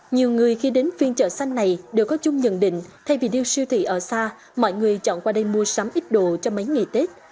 nhiều người khi đến phiên chợ xanh này đều có chung nhận định thay vì điêu siêu thị ở xa mọi người chọn qua đây mua sắm ít đồ cho mấy ngày tết